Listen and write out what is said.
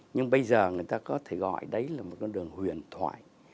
nhưng bây giờ người ta có thể gọi đấy là một con đường huyền thoại